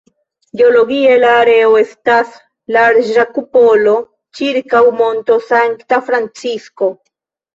Geologie, la areo estas larĝa kupolo ĉirkaŭ Monto Sankta Francisko.